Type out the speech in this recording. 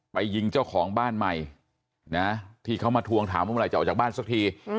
ยิงเจ้าของบ้านใหม่นะที่เขามาทวงถามว่าเมื่อไหรจะออกจากบ้านสักที